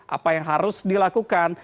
apa yang harus dilakukan